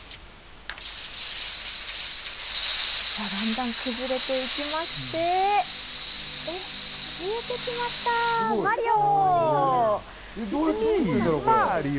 だんだん崩れていきまして、見えてきました、マリオ。